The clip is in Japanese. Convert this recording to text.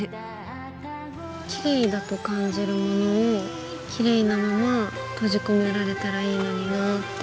きれいだと感じるものをきれいなまま閉じ込められたらいいのになぁって。